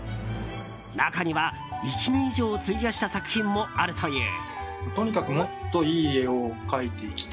中には１年以上を費やした作品もあるという。